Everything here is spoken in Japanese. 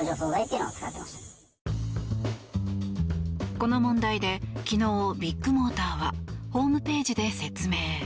この問題で昨日、ビッグモーターはホームページで説明。